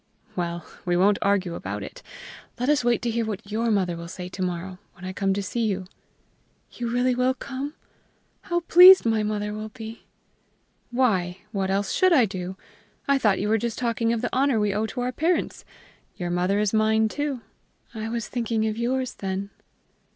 "Well, we won't argue about it. Let us wait to hear what your mother will say to it to morrow, when I come to see you." "You really will come? How pleased my mother will be!" "Why, what else should I do? I thought you were just talking of the honor we owe to our parents! Your mother is mine too." "I was thinking of yours then."